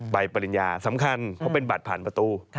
ปริญญาสำคัญเพราะเป็นบัตรผ่านประตู